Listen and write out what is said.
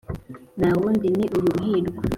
ntawundi ni uyu ihirwe.